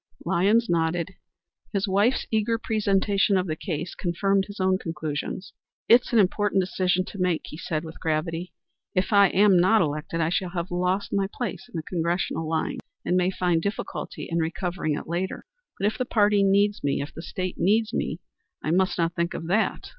Lyons nodded. His wife's eager presentation of the case confirmed his own conclusions. "It is an important decision to make," he said, with gravity. "If I am not elected, I shall have lost my place in the Congressional line, and may find difficulty in recovering it later. But if the party needs me, if the State needs me, I must not think of that.